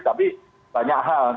tapi banyak hal